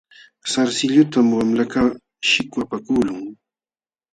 Sarsilluntam wamlakaq shikwapakuqlun.